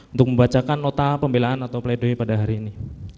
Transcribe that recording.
untuk membacakan nota pembelaan atau pleidoy pada hari ini